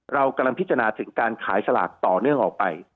เรากำลังพิจารณาถึงการขายสลากต่อเนื่องออกไป